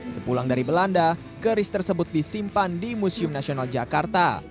sepulang dari belanda keris tersebut disimpan di museum nasional jakarta